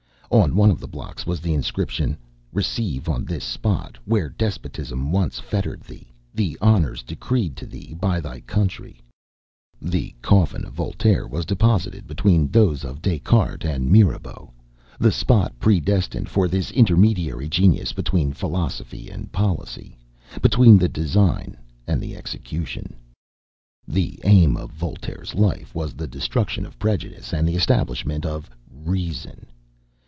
On one of the blocks was the inscription, 'Receive on this spot, where despotism once fettered thee, the Honors decreed to thee by thy country'.... The coffin of Voltaire was deposited between those of Descartes and Mirabeau the spot predestined for this intermediary genius between philosophy and policy, between the design and the execution." The aim of Voltaire's life was the destruction of prejudice and the establishment of Reason.